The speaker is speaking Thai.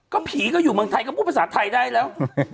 ก็ผีก็อยู่เมืองไทยก็พูดภาษาไทยได้แล้ว